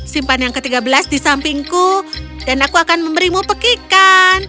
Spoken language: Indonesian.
simpan yang ke tiga belas di sampingku dan aku akan memberimu pekikan